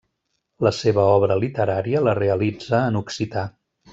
La seva obra literària la realitza en occità.